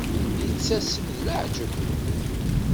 Yettasem d leɛǧeb.